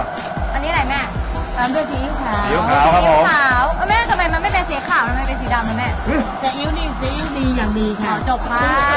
อันนี้อะไรแม่อันเป็นสีอิ้วขาวสีอิ้วขาวครับผม